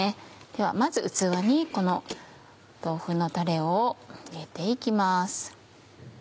ではまず器にこの豆腐のたれを入れて行きます。